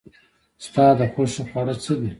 ستا د خوښې خواړه څه دي؟